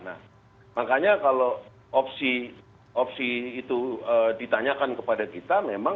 nah makanya kalau opsi itu ditanyakan kepada kita memang